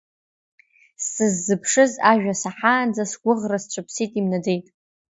Сыззыԥшыз ажәа саҳаанӡа, сгәыӷра сцәыԥсит, имнаӡеит…